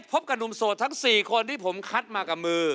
กับหนุ่มโสดทั้ง๔คนที่ผมคัดมากับมือ